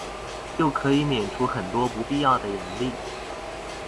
就可以免除很多不必要的人力